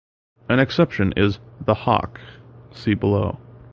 An exception is the "Hoc" (see below).